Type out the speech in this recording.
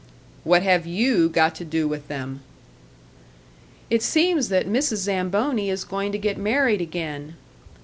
"What have you got to do with them?" "It seems that Mrs. Zamboni is going to get married again."